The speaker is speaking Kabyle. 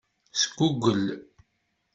Sgugel.